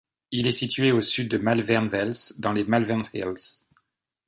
Il est situé au sud de Malvern Wells, dans les Malvern Hills.